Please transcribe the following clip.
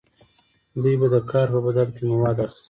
دوی به د کار په بدل کې مواد اخیستل.